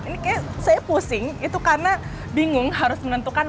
ini kayaknya saya pusing itu karena bingung harus menentukan